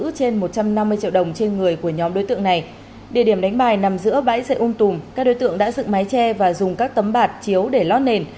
trên địa điểm đánh bài nằm giữa bãi dây ung tùm các đối tượng đã dựng mái che và dùng các tấm bạc chiếu để lót nền